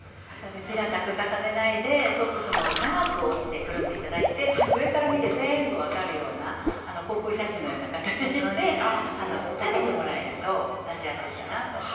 平たく重ねないでソックスも長くくるんで折っていただいて上から見て全部、分かるような航空写真のような形をして立ててもらえると出しやすいです。